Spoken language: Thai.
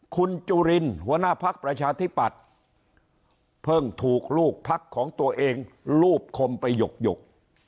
คุณจุลินหัวหน้าพักประชาธิปัตย์เพิ่งถูกลูกพักของตัวเองลูบคมไปหยก